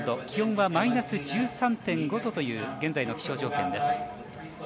気温はマイナス１３．５度という現在の気象条件です。